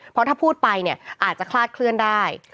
เพราะถ้าพูดไปเนี่ยอาจจะคลาดเคลื่อนได้